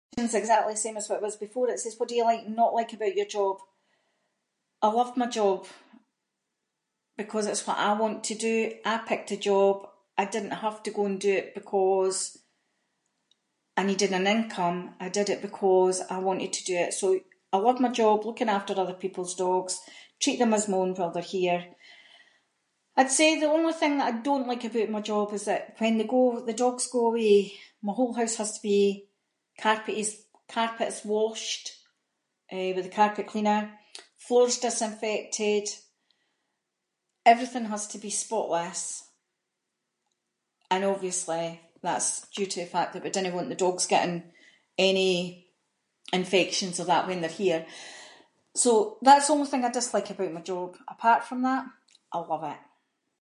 This one’s exactly the same as what it was before, it says what do you like and not like about your job. I love my job, because it’s what I want to do, I picked the job, I didn’t have to go and do it because I needed an income, I did it because I wanted to do it, so, I love my job, looking after other people’s dogs, treat them as my own while they’re here. I’d say the only thing that I don’t like aboot my job is that when they go, the dogs go away, my whole house has to be carpets- carpets washed, eh, with the carpet cleaner, floors disinfected, everything has to be spotless, and obviously that’s due to the fact that we dinnae want the dogs getting any infections or that when they’re here. So, that’s the only thing I dislike about my job, apart from that, I love it.